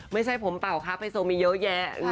ไม่ใช่ผมเป่าครับไฮโซมีเยอะแยะ